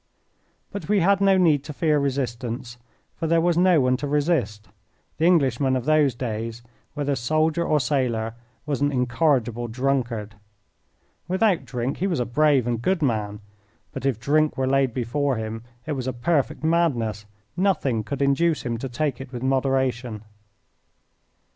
But we had no need to fear resistance, for there was no one to resist. The Englishman of those days, whether soldier or sailor, was an incorrigible drunkard. Without drink he was a brave and good man. But if drink were laid before him it was a perfect madness nothing could induce him to take it with moderation.